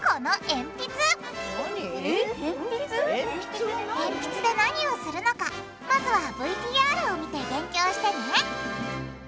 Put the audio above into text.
えんぴつで何をするのかまずはＶＴＲを見て勉強してね！